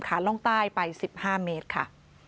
ล่องใต้ไป๑๕เมตรค่ะ